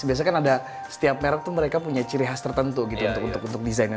biasanya kan ada setiap merek tuh mereka punya ciri khas tertentu gitu untuk desainnya